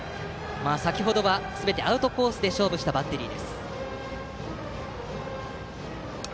先程、すべてアウトコースで勝負したバッテリー。